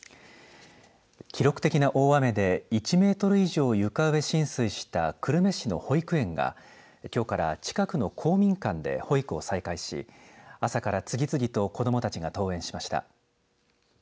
記録的な大雨で１メートル以上床上浸水した久留米市の保育園がきょうから近くの公民館で保育を再開し朝から次々と子どもたちが登園しました。